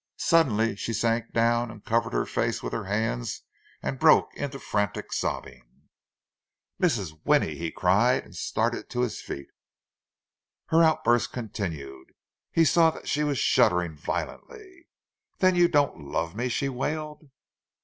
Suddenly she sank down, and covered her face with her hands and broke into frantic sobbing. "Mrs. Winnie!" he cried; and started to his feet. Her outburst continued. He saw that she was shuddering violently. "Then you don't love me!" she wailed.